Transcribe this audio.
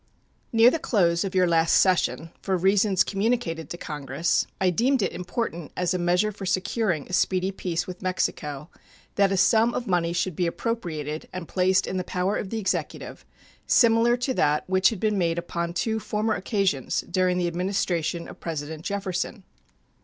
Near the close of your last session, for reasons communicated to Congress, I deemed it important as a measure for securing a speedy peace with Mexico, that a sum of money should be appropriated and placed in the power of the Executive, similar to that which had been made upon two former occasions during the Administration of President Jefferson.